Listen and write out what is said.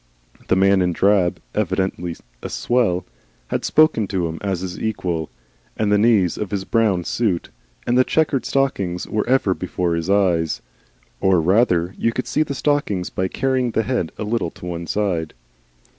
The man in drab evidently a swell had spoken to him as his equal, and the knees of his brown suit and the chequered stockings were ever before his eyes. (Or, rather, you could see the stockings by carrying the head a little to one side.)